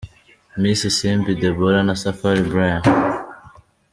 Miss Isimbi Deborah na Safari Bryan.